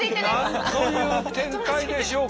なんという展開でしょうか。